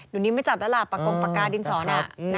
เดี๋ยวนี้ไม่จับแล้วล่ะปากกงปากกาดินสอน